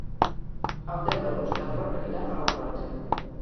El deu d'agost en Roc anirà a la platja.